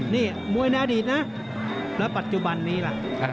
นี่มวยในอดีตนะแล้วปัจจุบันนี้ล่ะ